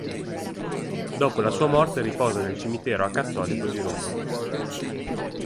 Dopo la sua morte riposa nel Cimitero acattolico di Roma.